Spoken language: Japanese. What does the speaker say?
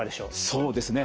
そうですね。